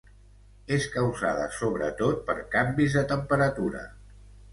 És causada, sobretot, per canvis de temperatura.